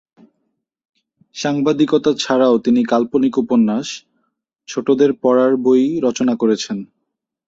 সাংবাদিকতা ছাড়াও তিনি কাল্পনিক উপন্যাস, ছোটদের পড়ার বই রচনা করেছেন।